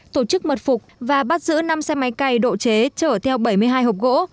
tổ chức mật phục và bắt giữ năm xe máy cày độ chế chở theo bảy mươi hai hộp gỗ